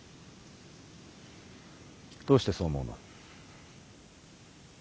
どうしてそう思うの？